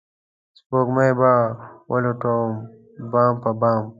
سپوږمۍ به ولټوي بام پر بام